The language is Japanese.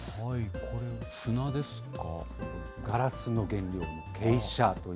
これ、砂ですか。